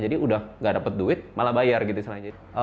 jadi udah nggak dapet duit malah bayar gitu selain itu